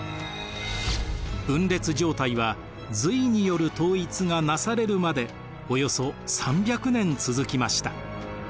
分裂状態は隋による統一が成されるまでおよそ３００年続きました。